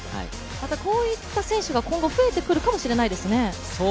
こういった選手が今後増えてくるかもしれないですね。